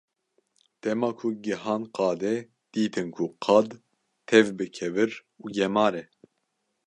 Dema ku gihan qadê, dîtin ku qad tev bi kevir û gemar e.